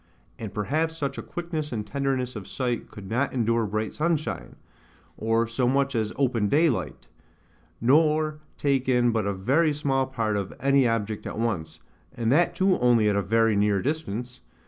And perhaps such a quickness and tenderness of sight could not endure bright sunshine, or so much as open daylight; nor take in but a very small part of any object at once, and that too only at a very near distance.